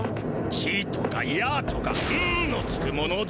「ち」とか「や」とか「ん」のつくものです。